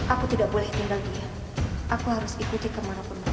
aku tidak boleh tinggal diam aku harus ikuti kemana pun mereka pergi